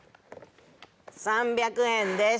３００円です。